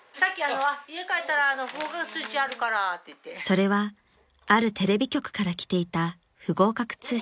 ［それはあるテレビ局から来ていた不合格通知］